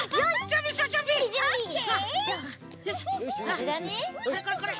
これこれこれ！